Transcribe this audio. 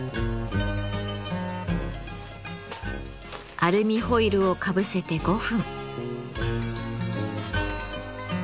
アルミホイルをかぶせて５分。